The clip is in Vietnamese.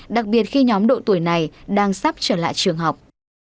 đặc biệt khi nhóm độ tuổi này đang sắp trở lại trường học